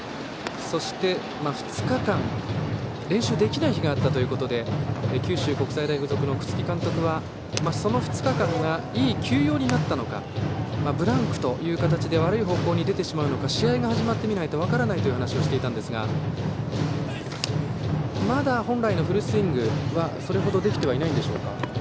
２日間、練習ができない日があったということで九州国際大付属の楠城監督はその２日間がいい休養になったのかブランクという形で悪い方向に出てしまうのか試合が始まってみないと分からないと話していたんですがまだ、本来のフルスイングはそれほど、できてはいないんでしょうか。